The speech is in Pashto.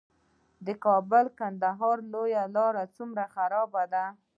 د کابل - کندهار لاره څومره خرابه ده؟